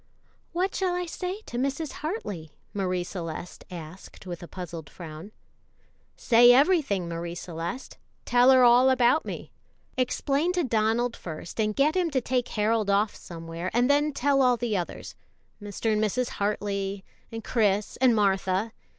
"What shall I say to Mrs. Hartley?" Marie Celeste asked with a puzzled frown. "Say everything, Marie Celeste; tell her all about me. Explain to Donald first, and get him to take Harold off' somewhere, and then tell all the others Mr. and Mrs. Hartley and Chris and Martha.